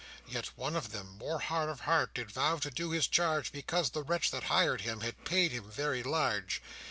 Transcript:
Yet one of them, more hard of heart, Did vow to do his charge, Because the wretch that hired him Had paid him very large.